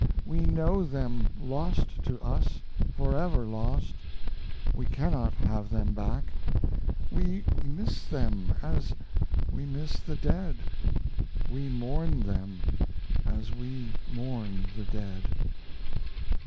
We know them lost to us Forever lost; we cannot have them back; We miss them as we miss the dead, We mourn them as we mourn the dead.